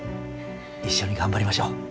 一緒に頑張りましょう。